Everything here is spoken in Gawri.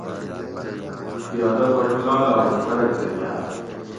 مٞہ پیادہ بٹولال آئ څڑک دہ گاٞ